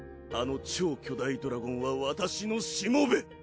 あの超巨大ドラゴンは私のしもべ！